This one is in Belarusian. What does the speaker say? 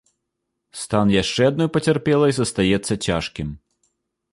Стан яшчэ адной пацярпелай застаецца цяжкім.